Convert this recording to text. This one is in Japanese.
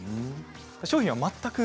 商品は全く。